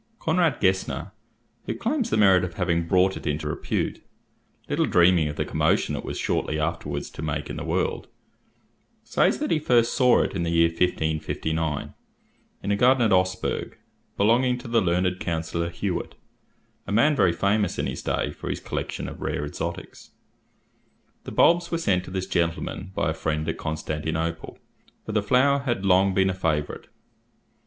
Conrad Gesner, who claims the merit of having brought it into repute, little dreaming of the commotion it was shortly afterwards to make in the world, says that he first saw it in the year 1559, in a garden at Augsburg, belonging to the learned Counsellor Herwart, a man very famous in his day for his collection of rare exotics. The bulbs were sent to this gentleman by a friend at Constantinople, where the flower had long been a favourite.